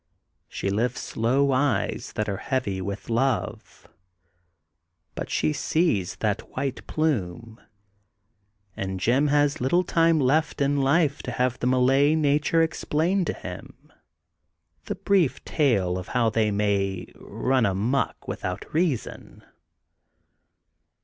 She lifts slow eyes that are heavy with love. But she sees that white plume. And Jim has little time left in life to have the Malay nature ex plained to him^ the brief tale of how they may run *' amuck *' without reason.